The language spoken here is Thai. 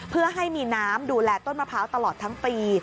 เพื่อให้มีน้ำดูแลต้นมะพร้าวตลอดทั้งปี